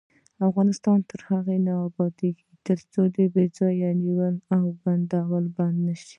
افغانستان تر هغو نه ابادیږي، ترڅو بې ځایه نیول او بندي کول بند نشي.